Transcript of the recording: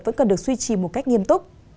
vẫn cần được suy trì một cách nghiêm túc